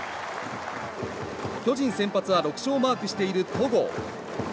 巨人先発は６勝をマークしている戸郷。